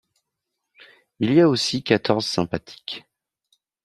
Il y a aussi quatorze sympathique.